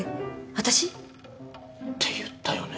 私？って言ったよね？